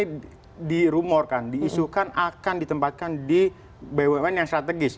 ini dirumorkan diisukan akan ditempatkan di bumn yang strategis